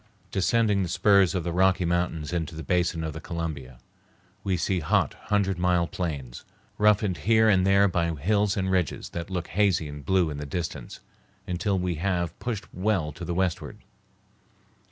Descending the spurs of the Rocky Mountains into the basin of the Columbia, we see hot, hundred mile plains, roughened here the there by hills and ridges that look hazy and blue in the distance, until we have pushed well to the westward.